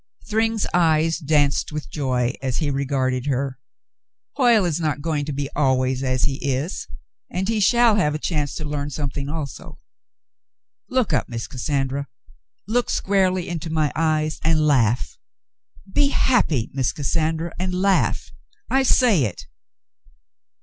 Thryng's eyes danced with joy as he regarded her. "Hoyle is not going to be always as he is, and he shall have the chance to learn something also. Look up, Miss Cassandra, look squarely into my eyes and laugh. Be happy. Miss Cassandra, and laugh. I say it."